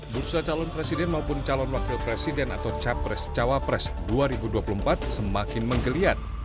bursa calon presiden maupun calon wakil presiden atau capres cawapres dua ribu dua puluh empat semakin menggeliat